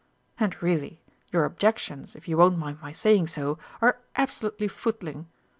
And really, your objections, if you won't mind my saying so, are absolutely footling.